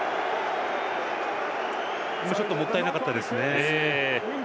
ちょっともったいなかったですね。